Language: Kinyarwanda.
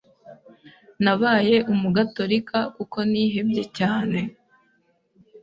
Nabaye Umugatolika kuko nihebye cyane.